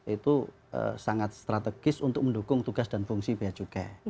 itu sangat strategis untuk mendukung tugas dan fungsi biaya cukai